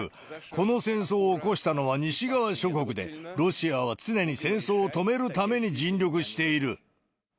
この戦争を起こしたのは西側諸国で、ロシアは常に戦争を止めるために尽力している。